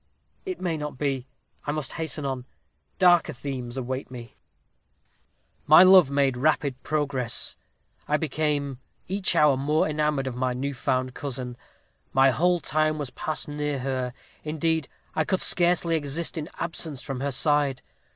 It may not be. I must hasten on. Darker themes await me. "My love made rapid progress I became each hour more enamored of my new found cousin. My whole time was passed near her; indeed, I could scarcely exist in absence from her side.